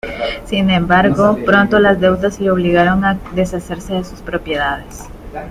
Sin embargo, pronto las deudas le obligaron a deshacerse de sus propiedades.